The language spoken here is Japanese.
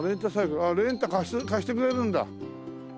ああレンタ貸してくれるんだ。